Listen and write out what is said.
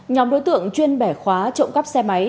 nhóm đối tượng chuyên bẻ khóa trộm cắp xe máy